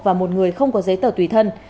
và một người không có giấy tờ tùy thân